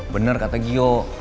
bener kata gio